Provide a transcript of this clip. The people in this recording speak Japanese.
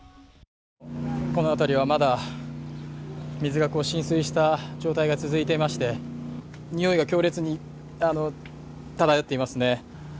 この辺りはまだ水が浸水した状態が続いていまして、においが強烈に漂っていますね。